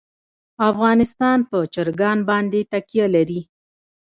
افغانستان په چرګان باندې تکیه لري.